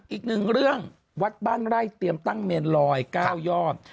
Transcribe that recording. อีกหนึ่งเรื่องวัดบ้านไร่เตรียมตั้งเมนลอย๙ยอด